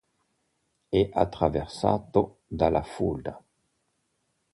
È attraversato dalla Fulda.